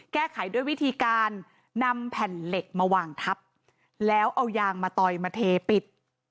แก้ไขด้วยวิธีการนำแผ่นเหล็กมาวางทับแล้วเอายางมาต่อยมาเทปิด